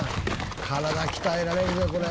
体鍛えられるでこれ。